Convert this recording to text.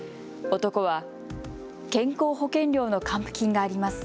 男は健康保険料の還付金があります。